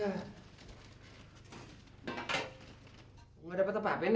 gua gak dapet apa apa nih